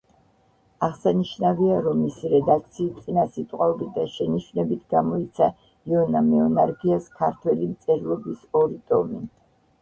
აღსანიშნავია, რომ მისი რედაქციით, წინასიტყვაობით და შენიშვნებით გამოიცა იონა მეუნარგიას ქართველი მწერლობის ორი ტომი.